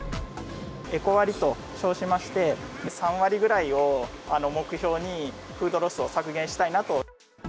エコ割と称しまして、３割ぐらいを目標に、フードロスを削減したいなと。